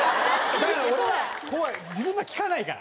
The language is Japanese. だから俺は怖い自分は聞かないから。